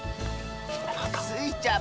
スイちゃん